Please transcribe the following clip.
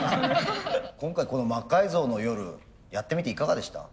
今回この「魔改造の夜」やってみていかがでした？